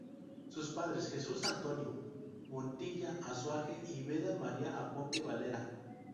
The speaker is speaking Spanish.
Su padres, Jesus Antonio Montilla Azuaje y Beda Maria Aponte Valera.